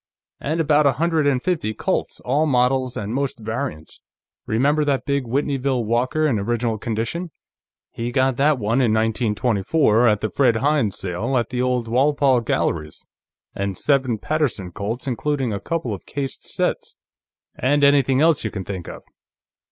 And about a hundred and fifty Colts, all models and most variants. Remember that big Whitneyville Walker, in original condition? He got that one in 1924, at the Fred Hines sale, at the old Walpole Galleries. And seven Paterson Colts, including a couple of cased sets. And anything else you can think of.